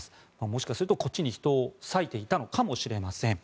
もしかすると、こっちに人を割いていたのかもしれません。